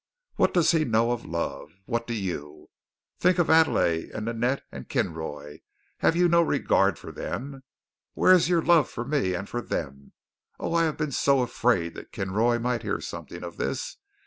What does he know of love? What do you? Think of Adele and Ninette and Kinroy. Have you no regard for them? Where is your love for me and for them? Oh, I have been so afraid that Kinroy might hear something of this.